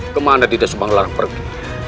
kemana dinda subanglarang pergi